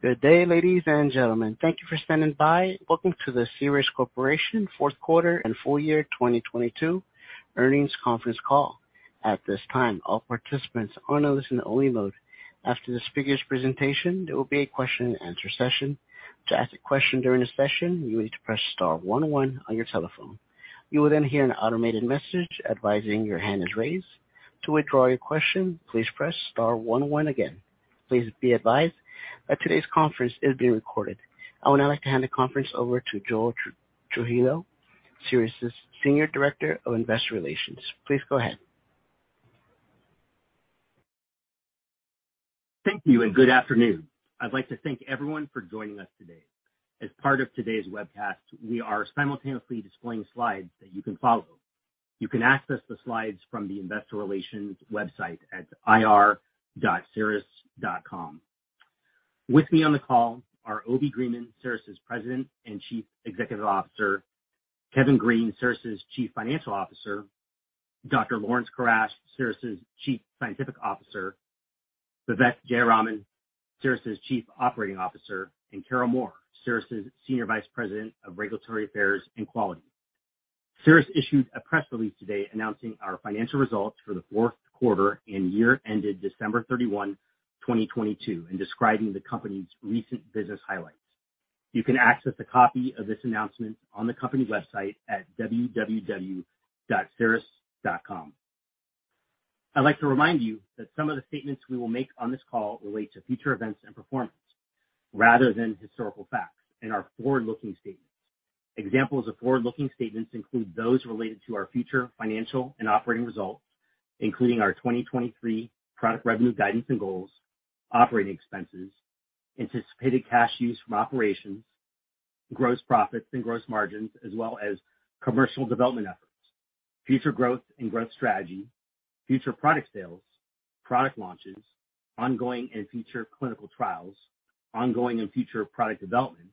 Good day, ladies and gentlemen. Thank you for standing by. Welcome to the Cerus Corporation fourth quarter and full year 2022 earnings conference call. At this time, all participants are in a listen only mode. After the speakers presentation, there will be a question and answer session. To ask a question during the session, you need to press star one one on your telephone. You will then hear an automated message advising your hand is raised. To withdraw your question, please press star one one again. Please be advised that today's conference is being recorded. I would now like to hand the conference over to Joel Trujillo, Cerus' Senior Director of Investor Relations. Please go ahead. Thank you and good afternoon. I'd like to thank everyone for joining us today. As part of today's webcast, we are simultaneously displaying slides that you can follow. You can access the slides from the investor relations website at ir.cerus.com. With me on the call are Obi Greenman, Cerus' President and Chief Executive Officer, Kevin Green, Cerus' Chief Financial Officer, Dr. Laurence Corash, Cerus' Chief Scientific Officer, Vivek Jayaraman, Cerus' Chief Operating Officer, and Carol Moore, Cerus' Senior Vice President of Regulatory Affairs and Quality. Cerus issued a press release today announcing our financial results for the fourth quarter and year ended December 31, 2022, and describing the company's recent business highlights. You can access a copy of this announcement on the company website at www.cerus.com. I'd like to remind you that some of the statements we will make on this call relate to future events and performance rather than historical facts and are forward-looking statements. Examples of forward-looking statements include those related to our future financial and operating results, including our 2023 product revenue guidance and goals, operating expenses, anticipated cash use from operations, gross profits and gross margins, as well as commercial development efforts, future growth and growth strategy, future product sales, product launches, ongoing and future clinical trials, ongoing and future product development,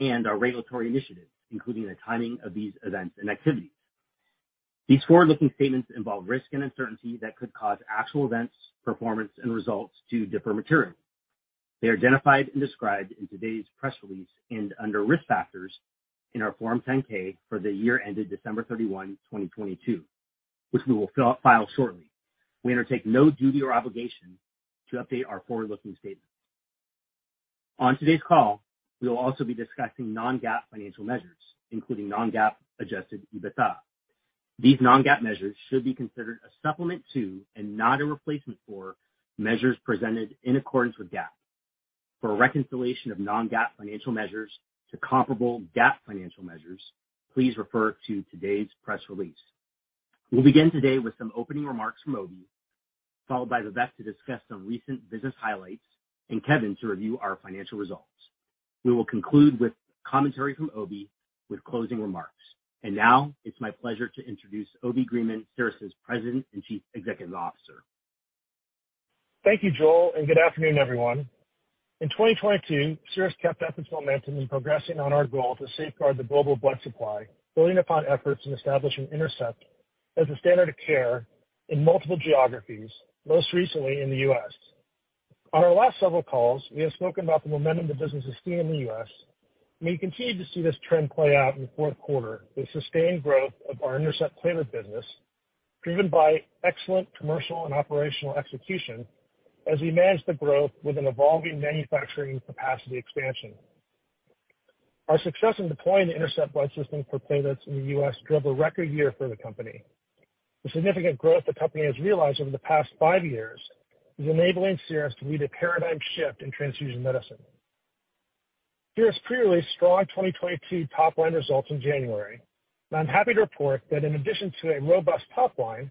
and our regulatory initiatives, including the timing of these events and activities. These forward-looking statements involve risk and uncertainty that could cause actual events, performance and results to differ materially. They are identified and described in today's press release and under Risk Factors in our Form 10-K for the year ended December 31, 2022, which we will file shortly. We undertake no duty or obligation to update our forward-looking statements. On today's call, we will also be discussing non-GAAP financial measures, including non-GAAP adjusted EBITDA. These non-GAAP measures should be considered a supplement to, and not a replacement for, measures presented in accordance with GAAP. For a reconciliation of non-GAAP financial measures to comparable GAAP financial measures, please refer to today's press release. We'll begin today with some opening remarks from Obi, followed by Vivek to discuss some recent business highlights and Kevin to review our financial results. We will conclude with commentary from Obi with closing remarks. Now it's my pleasure to introduce Obi Greenman, Cerus' President and Chief Executive Officer. Thank you, Joel, and good afternoon, everyone. In 2022, Cerus kept up its momentum in progressing on our goal to safeguard the global blood supply, building upon efforts and establishing INTERCEPT as a standard of care in multiple geographies, most recently in the U.S. On our last several calls, we have spoken about the momentum the business is seeing in the U.S., and we continue to see this trend play out in the fourth quarter with sustained growth of our INTERCEPT platelet business, driven by excellent commercial and operational execution as we manage the growth with an evolving manufacturing capacity expansion. Our success in deploying the INTERCEPT Blood System for platelets in the U.S. drove a record year for the company. The significant growth the company has realized over the past five years is enabling Cerus to lead a paradigm shift in transfusion medicine. Cerus pre-released strong 2022 top line results in January. I'm happy to report that in addition to a robust top line,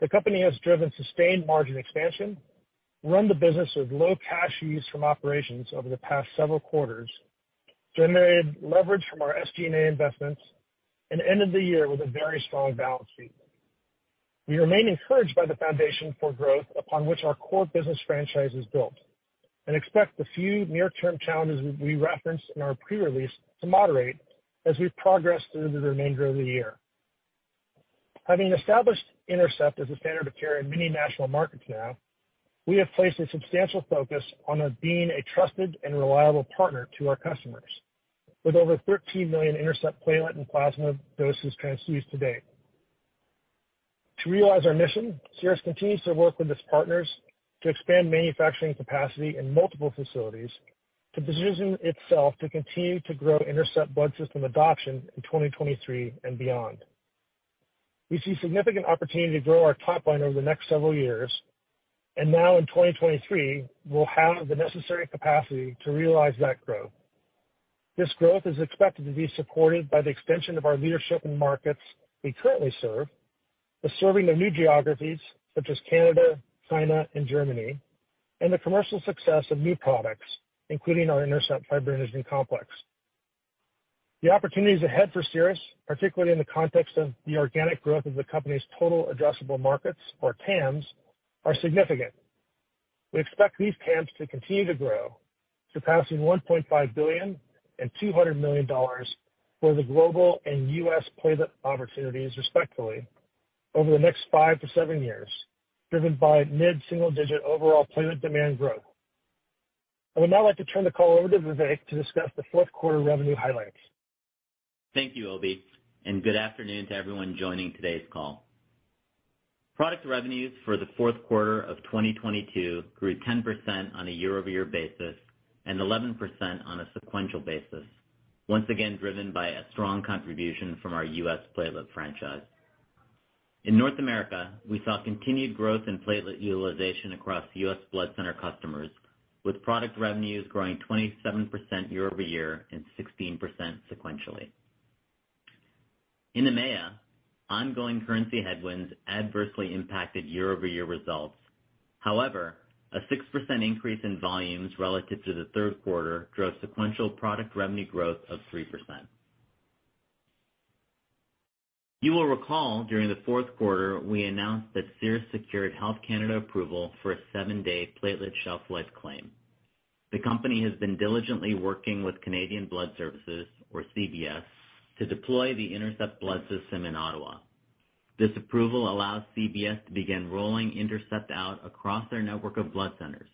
the company has driven sustained margin expansion, run the business with low cash use from operations over the past several quarters, generated leverage from our SG&A investments, and ended the year with a very strong balance sheet. We remain encouraged by the foundation for growth upon which our core business franchise is built and expect the few near-term challenges we referenced in our pre-release to moderate as we progress through the remainder of the year. Having established INTERCEPT as a standard of care in many national markets now, we have placed a substantial focus on being a trusted and reliable partner to our customers. With over 13 million INTERCEPT platelet and plasma doses transfused to date. To realize our mission, Cerus continues to work with its partners to expand manufacturing capacity in multiple facilities to position itself to continue to grow INTERCEPT Blood System adoption in 2023 and beyond. We see significant opportunity to grow our top line over the next several years. Now in 2023, we'll have the necessary capacity to realize that growth. This growth is expected to be supported by the extension of our leadership in markets we currently serve, by serving the new geographies such as Canada, China and Germany, and the commercial success of new products, including our INTERCEPT Fibrinogen Complex. The opportunities ahead for Cerus, particularly in the context of the organic growth of the company's total addressable markets, or TAMs, are significant. We expect these TAMs to continue to grow, surpassing $1.5 billion and $200 million for the global and US platelet opportunities, respectively. Over the next 5 to 7 years, driven by mid-single digit overall platelet demand growth. I would now like to turn the call over to Vivek to discuss the fourth quarter revenue highlights. Thank you, Obi, good afternoon to everyone joining today's call. Product revenues for the fourth quarter of 2022 grew 10% on a year-over-year basis and 11% on a sequential basis, once again driven by a strong contribution from our U.S. platelet franchise. In North America, we saw continued growth in platelet utilization across U.S. Blood Center customers, with product revenues growing 27% year-over-year and 16% sequentially. In EMEA, ongoing currency headwinds adversely impacted year-over-year results. However, a 6% increase in volumes relative to the third quarter drove sequential product revenue growth of 3%. You will recall, during the fourth quarter, we announced that Cerus secured Health Canada approval for a seven-day platelet shelf life claim. The company has been diligently working with Canadian Blood Services or CBS to deploy the INTERCEPT Blood System in Ottawa. This approval allows CBS to begin rolling INTERCEPT out across their network of blood centers.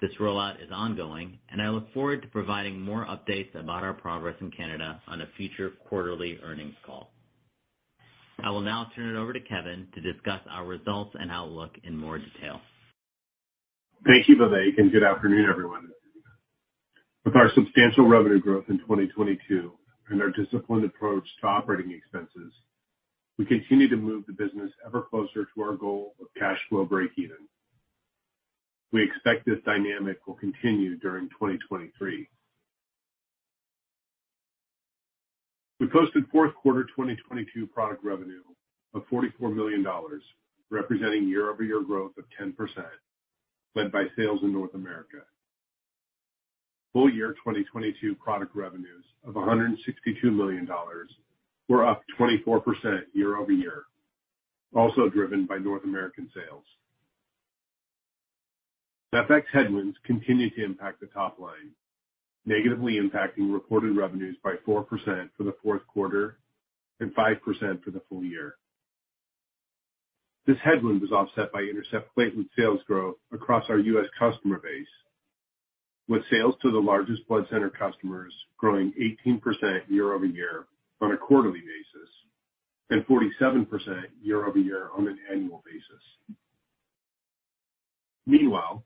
This rollout is ongoing. I look forward to providing more updates about our progress in Canada on a future quarterly earnings call. I will now turn it over to Kevin to discuss our results and outlook in more detail. Thank you, Vivek. Good afternoon, everyone. With our substantial revenue growth in 2022 and our disciplined approach to operating expenses, we continue to move the business ever closer to our goal of cash flow breakeven. We expect this dynamic will continue during 2023. We posted fourth quarter 2022 product revenue of $44 million, representing year-over-year growth of 10%, led by sales in North America. Full year 2022 product revenues of $162 million were up 24% year-over-year, also driven by North American sales. FX headwinds continued to impact the top line, negatively impacting reported revenues by 4% for the fourth quarter and 5% for the full year. This headwind was offset by INTERCEPT platelet sales growth across our U.S. customer base, with sales to the largest blood center customers growing 18% year-over-year on a quarterly basis, and 47% year-over-year on an annual basis. Meanwhile,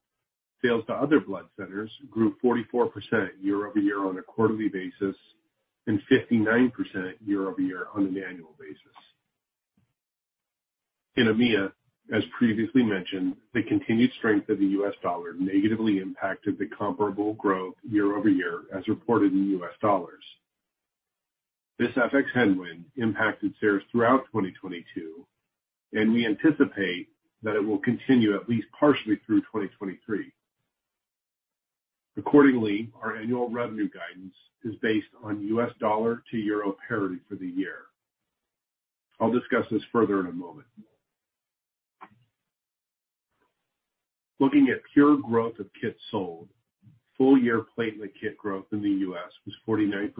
sales to other blood centers grew 44% year-over-year on a quarterly basis, and 59% year-over-year on an annual basis. In EMEA, as previously mentioned, the continued strength of the U.S. dollar negatively impacted the comparable growth year-over-year as reported in U.S. dollars. This FX headwind impacted sales throughout 2022, and we anticipate that it will continue at least partially through 2023. Accordingly, our annual revenue guidance is based on U.S. dollar to euro parity for the year. I'll discuss this further in a moment. Looking at pure growth of kits sold, full year platelet kit growth in the U.S. was 49%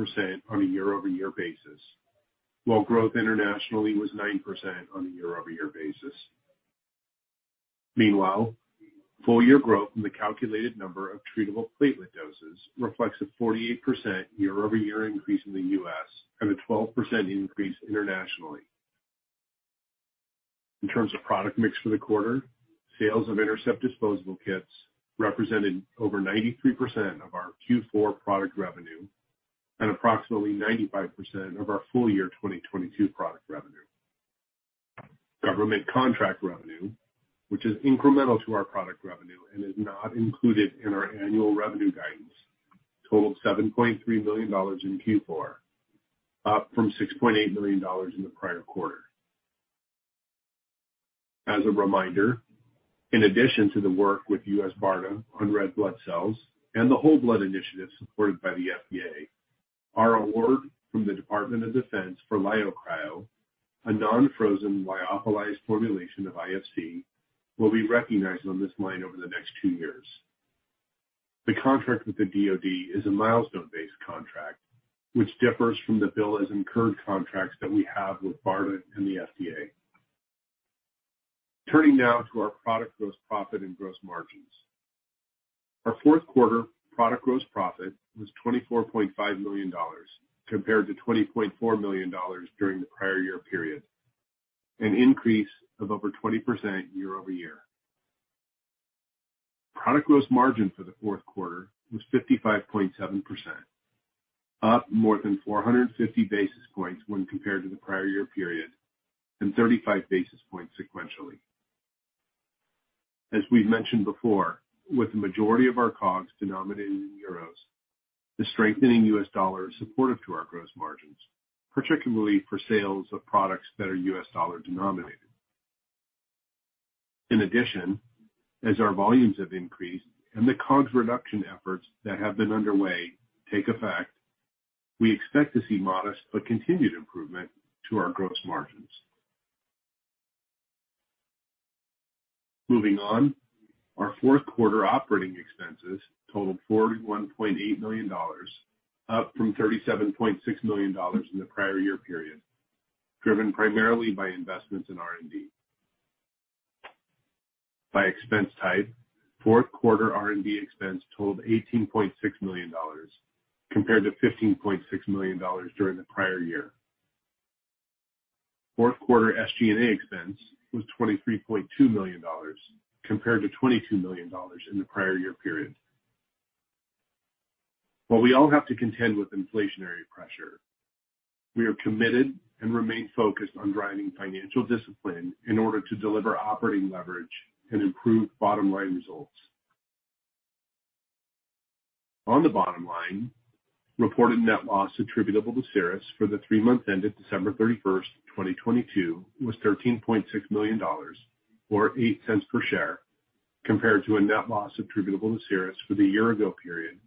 on a year-over-year basis, while growth internationally was 9% on a year-over-year basis. Full year growth in the calculated number of treatable platelet doses reflects a 48% year-over-year increase in the U.S. and a 12% increase internationally. In terms of product mix for the quarter, sales of INTERCEPT disposable kits represented over 93% of our Q4 product revenue and approximately 95% of our full year 2022 product revenue. Government contract revenue, which is incremental to our product revenue and is not included in our annual revenue guidance, totaled $7.3 million in Q4, up from $6.8 million in the prior quarter. As a reminder, in addition to the work with BARDA on red blood cells and the whole blood initiative supported by the FDA, our award from the Department of Defense for LyoCryo, a non-frozen lyophilized formulation of IFC, will be recognized on this line over the next 2 years. The contract with the DoD is a milestone-based contract, which differs from the bill as incurred contracts that we have with BARDA and the FDA. Turning now to our product gross profit and gross margins. Our fourth quarter product gross profit was $24.5 million compared to $20.4 million during the prior year period, an increase of over 20% year-over-year. Product gross margin for the fourth quarter was 55.7%, up more than 450 basis points when compared to the prior year period and 35 basis points sequentially. As we've mentioned before, with the majority of our COGS denominated in euros, the strengthening US dollar is supportive to our gross margins, particularly for sales of products that are US dollar-denominated. In addition, as our volumes have increased and the COGS reduction efforts that have been underway take effect, we expect to see modest but continued improvement to our gross margins. Moving on, our fourth quarter operating expenses totaled $41.8 million, up from $37.6 million in the prior year period, driven primarily by investments in R&D. By expense type, fourth quarter R&D expense totaled $18.6 million compared to $15.6 million during the prior year. Fourth quarter SG&A expense was $23.2 million compared to $22 million in the prior year period. While we all have to contend with inflationary pressure, we are committed and remain focused on driving financial discipline in order to deliver operating leverage and improve bottom-line results. On the bottom line, reported net loss attributable to Cerus for the 3 months ended December 31st, 2022 was $13.6 million or $0.08 per share, compared to a net loss attributable to Cerus for the year ago period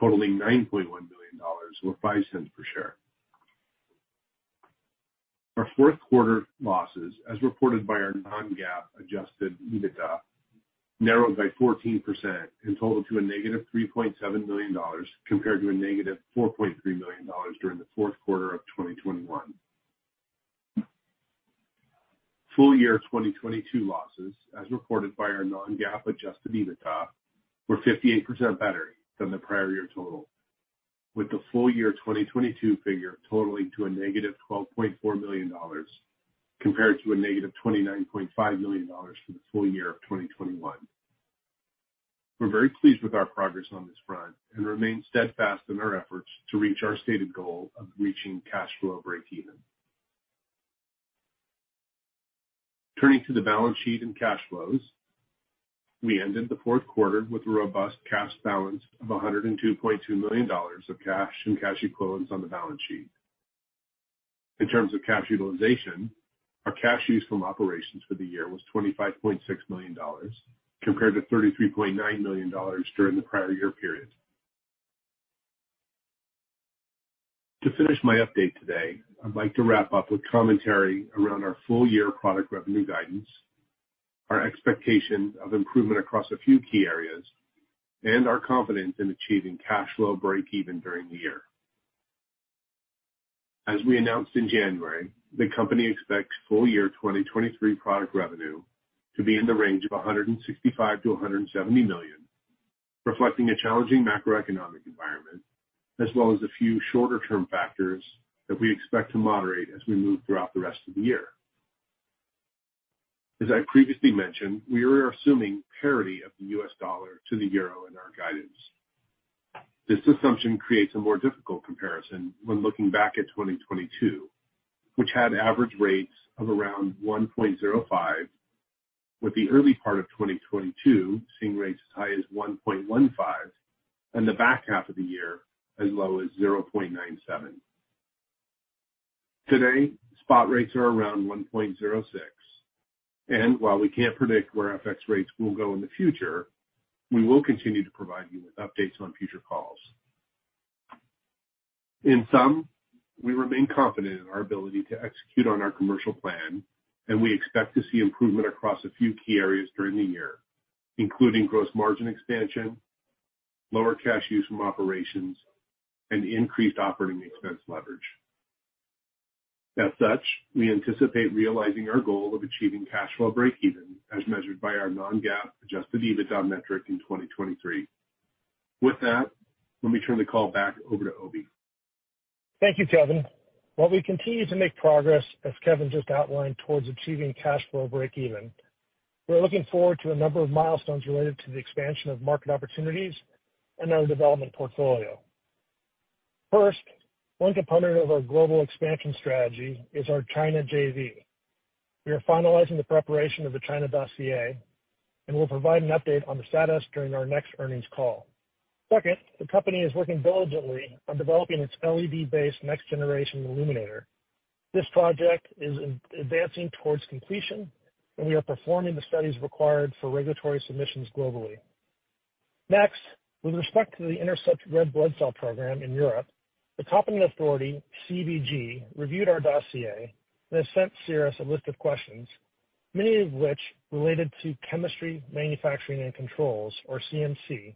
totaling $9.1 million or $0.05 per share. Our fourth quarter losses, as reported by our non-GAAP adjusted EBITDA, narrowed by 14% and totaled to a negative $3.7 million compared to a negative $4.3 million during the fourth quarter of 2021. Full year 2022 losses, as reported by our non-GAAP adjusted EBITDA, were 58% better than the prior year total, with the full year 2022 figure totaling to a negative $12.4 million compared to a negative $29.5 million for the full year of 2021. We're very pleased with our progress on this front and remain steadfast in our efforts to reach our stated goal of reaching cash flow breakeven. Turning to the balance sheet and cash flows. We ended the fourth quarter with a robust cash balance of $102.2 million of cash and cash equivalents on the balance sheet. In terms of cash utilization, our cash use from operations for the year was $25.6 million, compared to $33.9 million during the prior year period. To finish my update today, I'd like to wrap up with commentary around our full year product revenue guidance, our expectations of improvement across a few key areas, and our confidence in achieving cash flow breakeven during the year. As we announced in January, the company expects full year 2023 product revenue to be in the range of $165 million-$170 million, reflecting a challenging macroeconomic environment as well as a few shorter-term factors that we expect to moderate as we move throughout the rest of the year. As I previously mentioned, we are assuming parity of the US dollar to the euro in our guidance. This assumption creates a more difficult comparison when looking back at 2022, which had average rates of around 1.05, with the early part of 2022 seeing rates as high as 1.15 and the back half of the year as low as 0.97. Today, spot rates are around 1.06. While we can't predict where FX rates will go in the future, we will continue to provide you with updates on future calls. In sum, we remain confident in our ability to execute on our commercial plan, and we expect to see improvement across a few key areas during the year, including gross margin expansion, lower cash use from operations, and increased operating expense leverage. As such, we anticipate realizing our goal of achieving cash flow breakeven as measured by our non-GAAP adjusted EBITDA metric in 2023. With that, let me turn the call back over to Obi. Thank you, Kevin. While we continue to make progress, as Kevin just outlined, towards achieving cash flow breakeven, we're looking forward to a number of milestones related to the expansion of market opportunities and our development portfolio. First, one component of our global expansion strategy is our China JV. We are finalizing the preparation of the China dossier. We'll provide an update on the status during our next earnings call. Second, the company is working diligently on developing its LED-based next generation illuminator. This project is advancing towards completion, and we are performing the studies required for regulatory submissions globally. Next, with respect to the INTERCEPT red blood cell program in Europe, the competent authority, CBG, reviewed our dossier and has sent Cerus a list of questions, many of which related to chemistry, manufacturing, and controls, or CMC.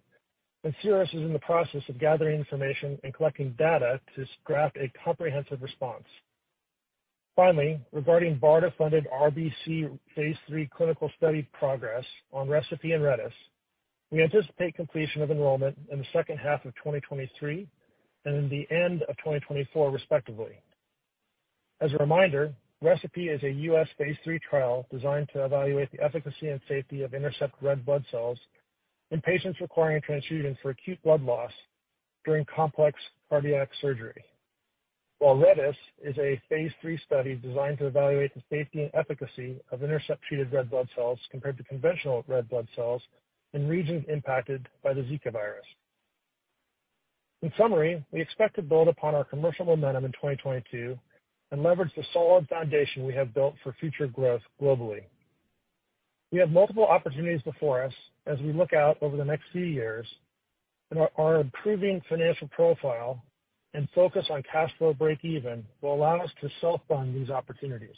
Cerus is in the process of gathering information and collecting data to draft a comprehensive response. Finally, regarding BARDA-funded RBC phase III clinical study progress on ReCePI and RedeS, we anticipate completion of enrollment in the second half of 2023 and in the end of 2024, respectively. As a reminder, ReCePI is a U.S. phase III trial designed to evaluate the efficacy and safety of INTERCEPT red blood cells in patients requiring a transfusion for acute blood loss during complex cardiac surgery. RedeS is a phase III study designed to evaluate the safety and efficacy of INTERCEPT treated red blood cells compared to conventional red blood cells in regions impacted by the Zika virus. We expect to build upon our commercial momentum in 2022 and leverage the solid foundation we have built for future growth globally. We have multiple opportunities before us as we look out over the next few years. Our improving financial profile and focus on cash flow breakeven will allow us to self-fund these opportunities.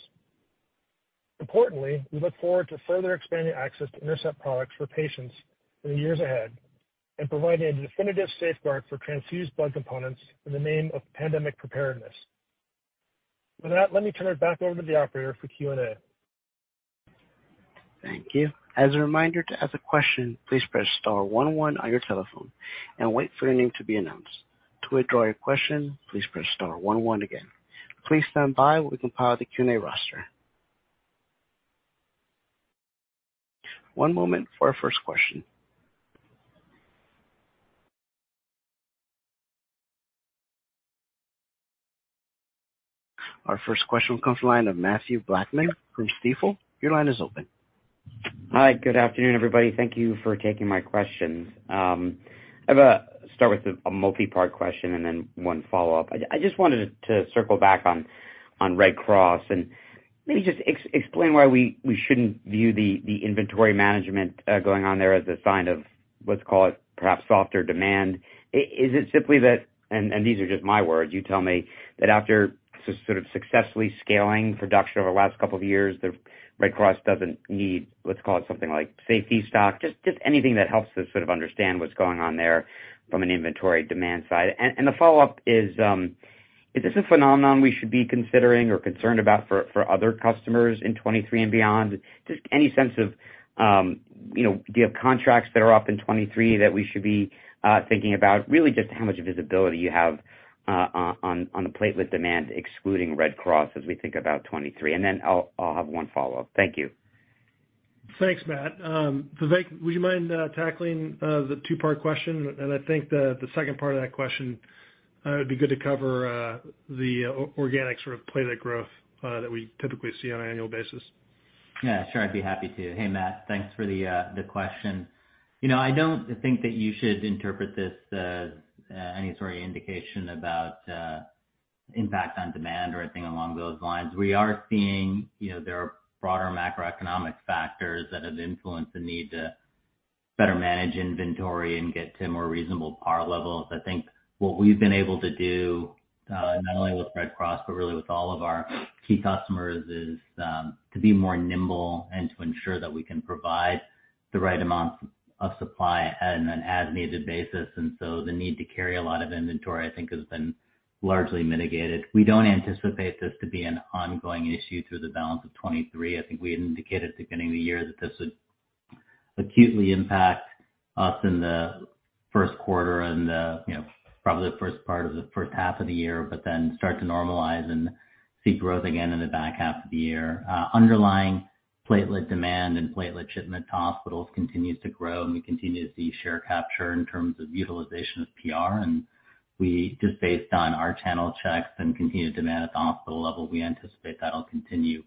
Importantly, we look forward to further expanding access to INTERCEPT products for patients in the years ahead and providing a definitive safeguard for transfused blood components in the name of pandemic preparedness. With that, let me turn it back over to the operator for Q&A. Thank you. As a reminder, to ask a question, please press star one one on your telephone and wait for your name to be announced. To withdraw your question, please press star one one again. Please stand by while we compile the Q&A roster. One moment for our first question. Our first question comes from the line of Mathew Blackman from Stifel. Your line is open. Hi. Good afternoon, everybody. Thank you for taking my questions. I start with a multi-part question and then one follow-up. I just wanted to circle back on Red Cross and maybe just explain why we shouldn't view the inventory management going on there as a sign of let's call it perhaps softer demand. Is it simply that, and these are just my words, you tell me, that after sort of successfully scaling production over the last couple of years, the Red Cross doesn't need, let's call it something like safety stock, just anything that helps us sort of understand what's going on there from an inventory demand side? The follow-up is this a phenomenon we should be considering or concerned about for other customers in 2023 and beyond? Just any sense of, you know, do you have contracts that are up in 23 that we should be thinking about, really just how much visibility you have on the platelet demand excluding Red Cross as we think about 23. Then I'll have 1 follow-up. Thank you. Thanks, Matt. Vivek, would you mind tackling the 2-part question? I think the second part of that question would be good to cover the organic sort of platelet growth that we typically see on an annual basis. Yeah, sure. I'd be happy to. Hey, Matt, thanks for the question. You know, I don't think that you should interpret this as any sort of indication about impact on demand or anything along those lines. We are seeing, you know, there are broader macroeconomic factors that have influenced the need to better manage inventory and get to more reasonable par levels. I think what we've been able to do, not only with Red Cross, but really with all of our key customers, is to be more nimble and to ensure that we can provide the right amount of supply at an as-needed basis. The need to carry a lot of inventory, I think, has been largely mitigated. We don't anticipate this to be an ongoing issue through the balance of 2023. I think we had indicated at the beginning of the year that this would acutely impact us in the first quarter and the, you know, probably the first part of the first half of the year, but then start to normalize and see growth again in the back half of the year. Underlying platelet demand and platelet shipment to hospitals continues to grow and we continue to see share capture in terms of utilization of PR. We just based on our channel checks and continued demand at the hospital level, we anticipate that'll continue.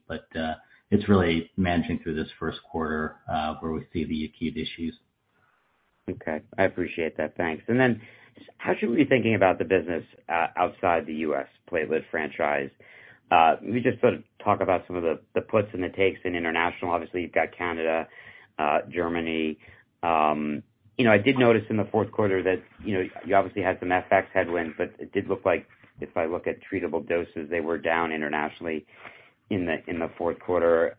It's really managing through this first quarter, where we see the acute issues. Okay. I appreciate that. Thanks. How should we be thinking about the business outside the U.S. platelet franchise? Can we just sort of talk about some of the puts and the takes in international? Obviously, you've got Canada, Germany. You know, I did notice in the fourth quarter that, you know, you obviously had some FX headwinds, but it did look like if I look at treatable doses, they were down internationally in the fourth quarter.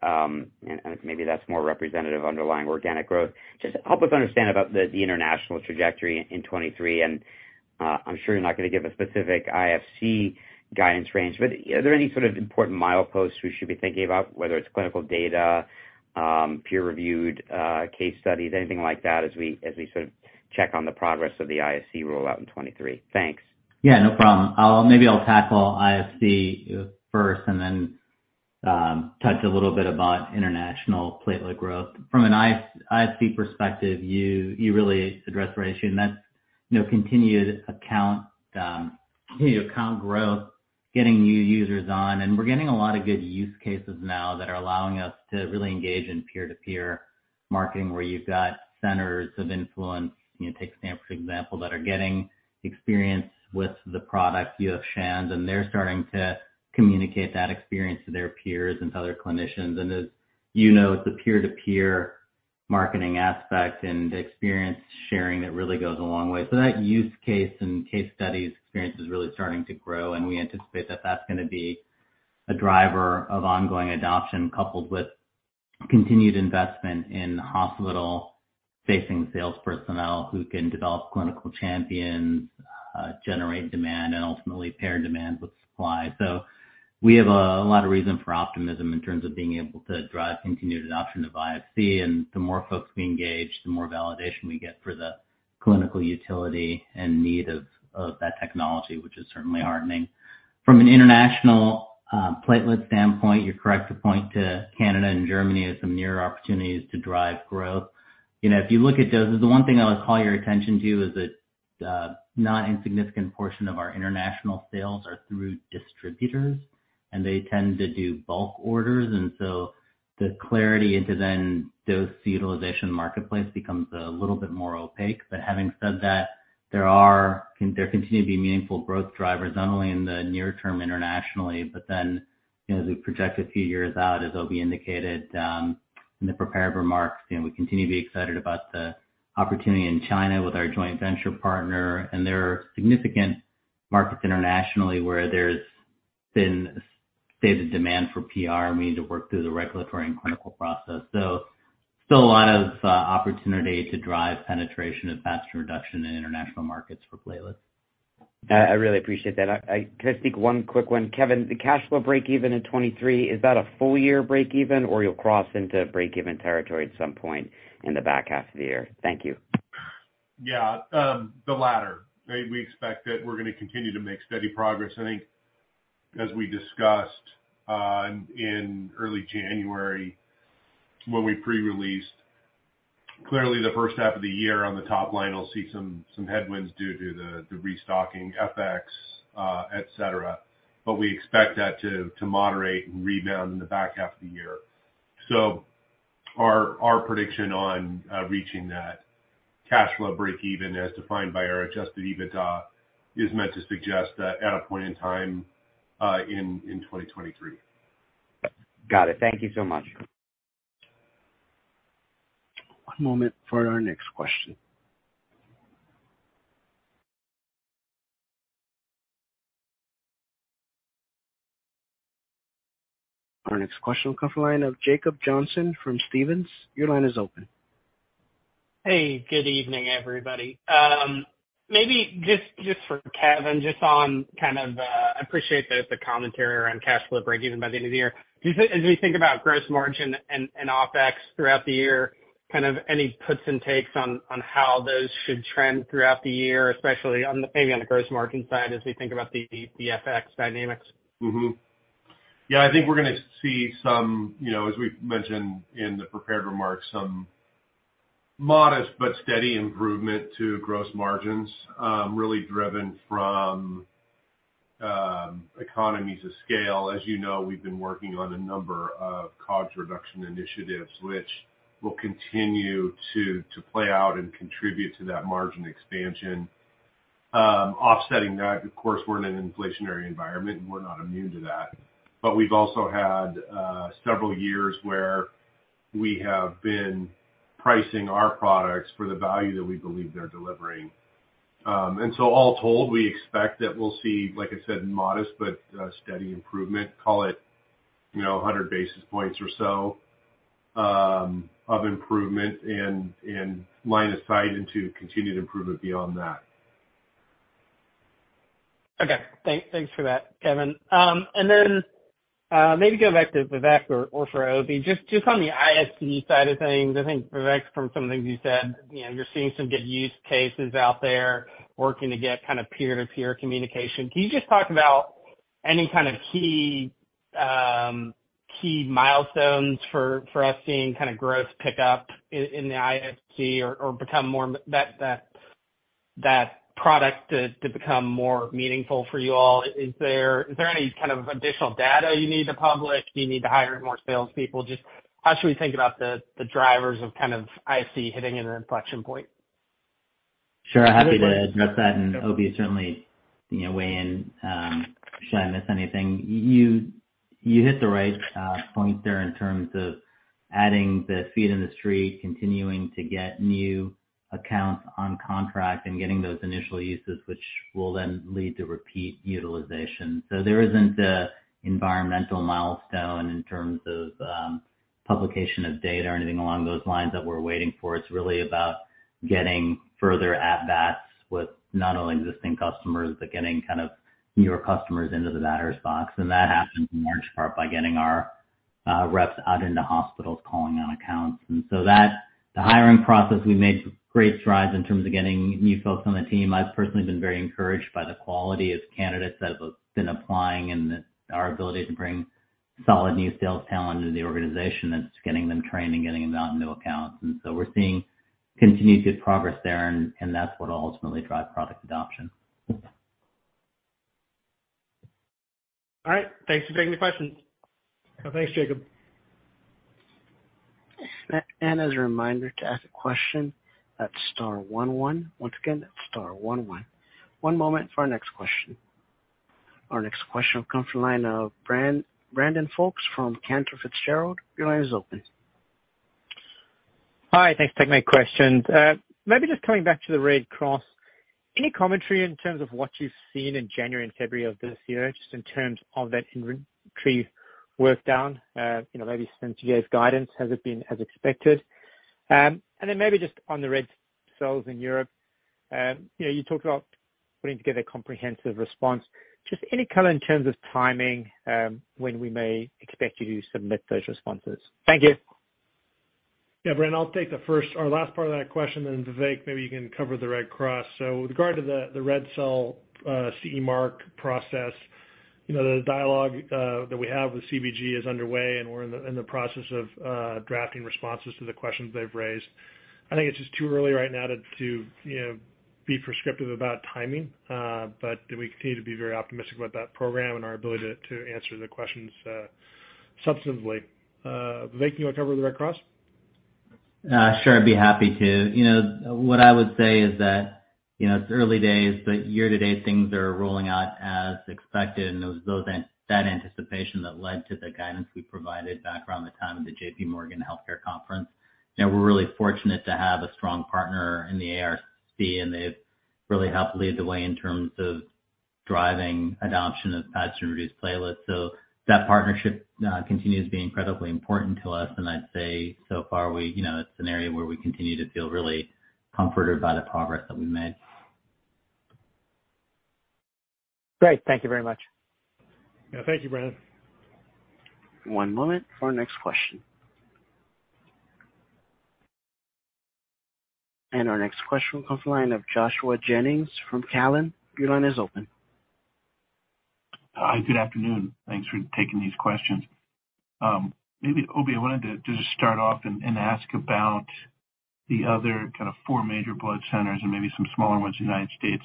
Maybe that's more representative underlying organic growth. Just help us understand about the international trajectory in 23. I'm sure you're not going to give a specific IFC guidance range, but are there any sort of important mileposts we should be thinking about, whether it's clinical data, peer-reviewed, case studies, anything like that, as we sort of check on the progress of the IFC rollout in 2023? Thanks. Yeah, no problem. Maybe I'll tackle IFC first and then touch a little bit about international platelet growth. From an IFC perspective, you really addressed the ratio and that's, you know, continued account growth, getting new users on. We're getting a lot of good use cases now that are allowing us to really engage in peer-to-peer marketing where you've got centers of influence, you take Stanford for example, that are getting experience with the product. You have Shands, they're starting to communicate that experience to their peers and to other clinicians. As you know, it's the peer-to-peer marketing aspect and experience sharing that really goes a long way. That use case and case studies experience is really starting to grow, and we anticipate that that's going to be a driver of ongoing adoption, coupled with continued investment in hospital-facing sales personnel who can develop clinical champions, generate demand and ultimately pair demand with supply. We have a lot of reason for optimism in terms of being able to drive continued adoption of IFC. The more folks we engage, the more validation we get for the clinical utility and need of that technology, which is certainly heartening. From an international platelet standpoint, you're correct to point to Canada and Germany as some near opportunities to drive growth. You know, if you look at doses, the one thing I would call your attention to is that a not insignificant portion of our international sales are through distributors, and they tend to do bulk orders. The clarity into then dose utilization marketplace becomes a little bit more opaque. Having said that, there continue to be meaningful growth drivers, not only in the near term internationally, but then as we project a few years out, as Obi indicated in the prepared remarks, you know, we continue to be excited about the opportunity in China with our joint venture partner, and there are significant markets internationally where there's been stated demand for PR. We need to work through the regulatory and clinical process. Still a lot of opportunity to drive penetration of pathogen reduction in international markets for platelets. I really appreciate that. I can I speak one quick one? Kevin, the cash flow breakeven in 23, is that a full year breakeven or you'll cross into breakeven territory at some point in the back half of the year? Thank you. Yeah. The latter. We expect that we're gonna continue to make steady progress. I think as we discussed, in early January when we pre-released, clearly the first half of the year on the top line will see some headwinds due to the restocking FX, et cetera. We expect that to moderate and rebound in the back half of the year. Our prediction on reaching that cash flow breakeven as defined by our adjusted EBITDA is meant to suggest that at a point in time in 2023. Got it. Thank you so much. One moment for our next question. Our next question will come from the line of Jacob Johnson from Stephens. Your line is open. Hey, good evening, everybody. Maybe just for Kevin, just on kind of, I appreciate the commentary around cash flow breakeven by the end of the year. As we think about gross margin and OpEx throughout the year, kind of any puts and takes on how those should trend throughout the year, especially on the, maybe on the gross margin side as we think about the FX dynamics? Yeah. I think we're gonna see some, you know, as we've mentioned in the prepared remarks, some modest but steady improvement to gross margins, really driven from economies of scale. As you know, we've been working on a number of COGS reduction initiatives which will continue to play out and contribute to that margin expansion. Offsetting that, of course, we're in an inflationary environment, and we're not immune to that. We've also had several years where we have been pricing our products for the value that we believe they're delivering. All told, we expect that we'll see, like I said, modest but steady improvement. Call it, you know, 100 basis points or so of improvement and line of sight into continued improvement beyond that. Okay. Thanks for that, Kevin. Then, maybe go back to Vivek or for Obi. Just on the IFC side of things, I think, Vivek, from some things you said, you know, you're seeing some good use cases out there working to get kind of peer-to-peer communication. Can you just talk about any kind of key milestones for us seeing kinda growth pick up in the IFC or become more that product to become more meaningful for you all? Is there any kind of additional data you need to publish? Do you need to hire more salespeople? Just how should we think about the drivers of kind of IFC hitting an inflection point? Sure. Happy to address that. Obi will certainly, you know, weigh in, should I miss anything. You hit the right point there in terms of adding the feet in the street, continuing to get new accounts on contract and getting those initial uses, which will then lead to repeat utilization. There isn't a environmental milestone in terms of publication of data or anything along those lines that we're waiting for. It's really about getting further at bats with not only existing customers, but getting kind of newer customers into the batter's box. That happens in large part by getting our reps out into hospitals, calling on accounts. That's the hiring process. We've made great strides in terms of getting new folks on the team. I've personally been very encouraged by the quality of candidates that have been applying and our ability to bring solid new sales talent into the organization that's getting them trained and getting them out into accounts. We're seeing continued good progress there and that's what ultimately drives product adoption. All right. Thanks for taking the question. Thanks, Jacob. As a reminder, to ask a question, that's star one one. Once again, star one one. One moment for our next question. Our next question will come from the line of Brandon Folkes from Cantor Fitzgerald. Your line is open. Hi. Thanks for taking my questions. Maybe just coming back to the Red Cross. Any commentary in terms of what you've seen in January and February of this year, just in terms of that inventory work down, you know, maybe since you gave guidance, has it been as expected? Maybe just on the red cells in Europe, you know, you talked about putting together a comprehensive response. Just any color in terms of timing, when we may expect you to submit those responses? Thank you. Brandon, I'll take the first or last part of that question then, Vivek, maybe you can cover the Red Cross. With regard to the red cell, CE Mark process, you know, the dialogue that we have with CBG is underway, and we're in the process of drafting responses to the questions they've raised. I think it's just too early right now to, you know, be prescriptive about timing, but we continue to be very optimistic about that program and our ability to answer the questions substantively. Vivek, you wanna cover the Red Cross? Sure, I'd be happy to. You know, what I would say is that, you know, it's early days, but year-to-date things are rolling out as expected, and it was that anticipation that led to the guidance we provided back around the time of the J.P. Morgan Healthcare Conference. You know, we're really fortunate to have a strong partner in the ARC, and they've really helped lead the way in terms of driving adoption of pathogen reduced platelets. That partnership continues to be incredibly important to us and I'd say so far we, you know, it's an area where we continue to feel really comforted by the progress that we made. Great. Thank you very much. Yeah, thank you, Brandon. One moment for our next question. Our next question comes from the line of Joshua Jennings from Cowen. Your line is open. Hi, good afternoon. Thanks for taking these questions. Maybe, Obi, I wanted to just start off and ask about the other kind of 4 major blood centers and maybe some smaller ones in the United States.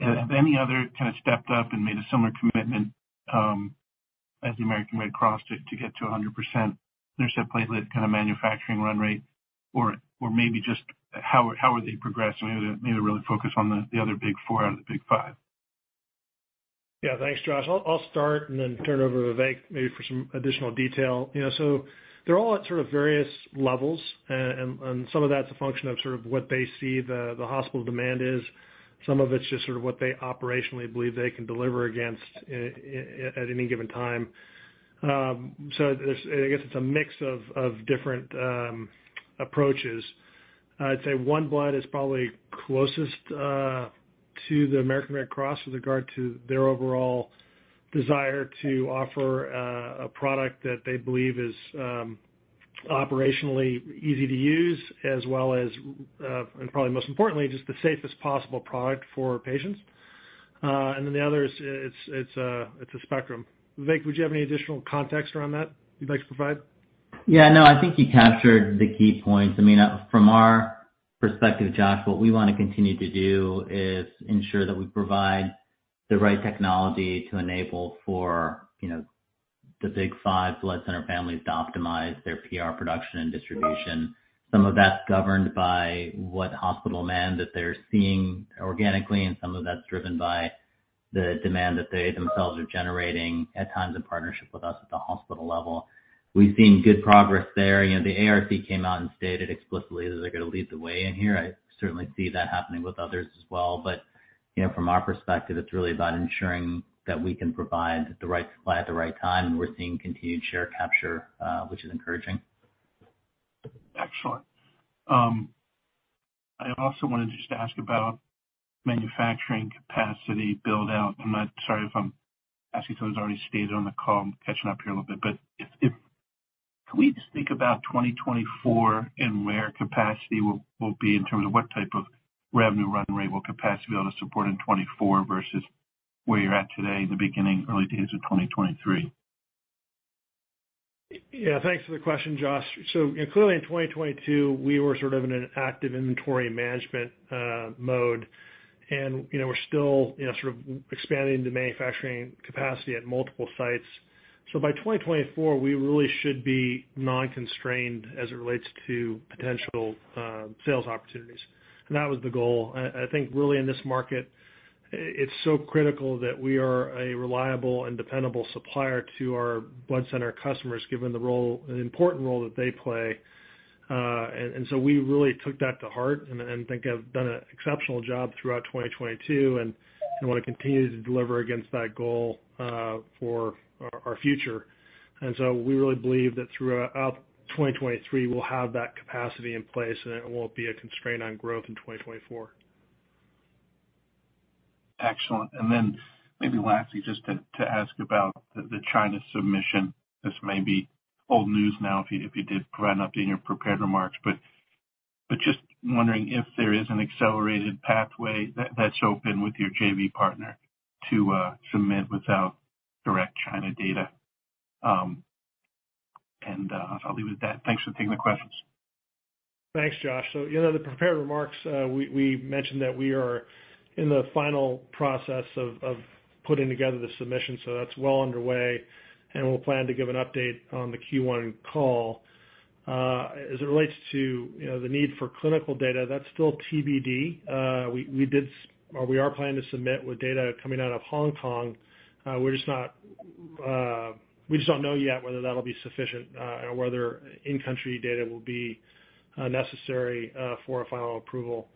Have any other kind of stepped up and made a similar commitment as the American Red Cross to get to a 100% whole blood-derived platelet kind of manufacturing run rate or maybe just how are they progressing? Maybe to really focus on the other big 4 out of the big 5. Yeah, thanks, Josh. I'll start and then turn it over to Vivek maybe for some additional detail. You know, they're all at sort of various levels. And some of that's a function of sort of what they see the hospital demand is. Some of it's just sort of what they operationally believe they can deliver against at any given time. There's, I guess it's a mix of different approaches. I'd say OneBlood is probably closest to the American Red Cross with regard to their overall desire to offer a product that they believe is operationally easy to use as well as and probably most importantly, just the safest possible product for patients. The others, it's a spectrum. Vivek, would you have any additional context around that you'd like to provide? Yeah, no, I think you captured the key points. I mean, from our perspective, Josh, what we wanna continue to do is ensure that we provide the right technology to enable for, you know, the big five blood center families to optimize their PR production and distribution. Some of that's governed by what hospital demand that they're seeing organically, and some of that's driven by the demand that they themselves are generating at times in partnership with us at the hospital level. We've seen good progress there. You know, the ARC came out and stated explicitly that they're gonna lead the way in here. I certainly see that happening with others as well. From our perspective, it's really about ensuring that we can provide the right supply at the right time, and we're seeing continued share capture, which is encouraging. Excellent. I also wanted just to ask about manufacturing capacity build out. Sorry if I'm asking something that's already stated on the call. I'm catching up here a little bit. Can we just think about 2024 and where capacity will be in terms of what type of revenue run rate will capacity be able to support in 2024 versus where you're at today in the beginning, early days of 2023? Yeah, thanks for the question, Josh. Clearly in 2022, we were sort of in an active inventory management mode. You know, we're still, you know, sort of expanding the manufacturing capacity at multiple sites. By 2024, we really should be non-constrained as it relates to potential sales opportunities. That was the goal. I think really in this market, it's so critical that we are a reliable and dependable supplier to our blood center customers, given the role, the important role that they play. We really took that to heart and think have done an exceptional job throughout 2022, and wanna continue to deliver against that goal for our future. We really believe that throughout 2023, we'll have that capacity in place, and it won't be a constraint on growth in 2024. Excellent. Maybe lastly, just to ask about the China submission. This may be old news now if you did plan on doing your prepared remarks, but just wondering if there is an accelerated pathway that's open with your JV partner to submit without direct China data. I'll leave it at that. Thanks for taking the questions. Thanks, Josh. You know, the prepared remarks, we mentioned that we are in the final process of putting together the submission, so that's well underway, and we'll plan to give an update on the Q1 call. As it relates to, you know, the need for clinical data, that's still TBD. We are planning to submit with data coming out of Hong Kong. We're just not, we just don't know yet whether that'll be sufficient, or whether in-country data will be necessary for a final approval.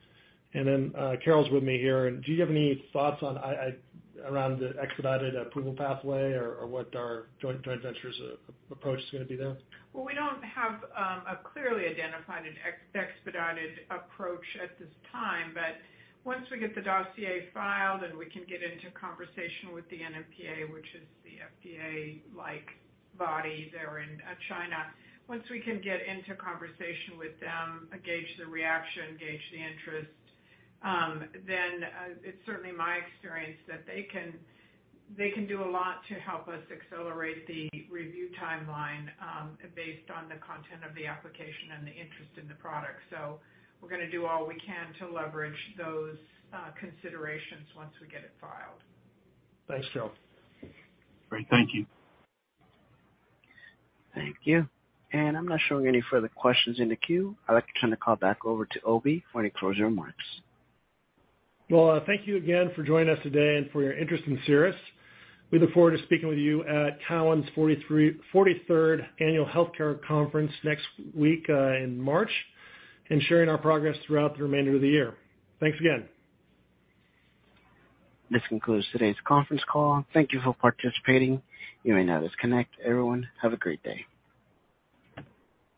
Carol's with me here. Do you have any thoughts on around the expedited approval pathway or what our joint venture's approach is gonna be there? We don't have a clearly identified and expedited approach at this time. Once we get the dossier filed and we can get into conversation with the NMPA, which is the FDA-like body there in China. Once we can get into conversation with them, gauge the reaction, gauge the interest, it's certainly my experience that they can do a lot to help us accelerate the review timeline based on the content of the application and the interest in the product. We're gonna do all we can to leverage those considerations once we get it filed. Thanks, Carol. Great. Thank you. Thank you. I'm not showing any further questions in the queue. I'd like to turn the call back over to Obi for any closing remarks. Well, thank you again for joining us today and for your interest in Cerus. We look forward to speaking with you at Cowen's 43rd Annual Health Care Conference next week, in March and sharing our progress throughout the remainder of the year. Thanks again. This concludes today's conference call. Thank you for participating. You may now disconnect. Everyone, have a great day.